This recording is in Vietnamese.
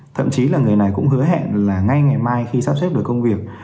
thậm chí là người này cũng hứa hẹn là ngay ngày mai khi sắp xếp được công việc